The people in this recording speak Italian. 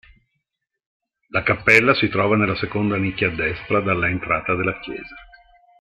La cappella si trova nella seconda nicchia a destra dalla entrata della chiesa.